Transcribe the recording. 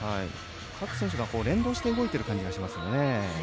各選手が連動して動いている感じがしますね。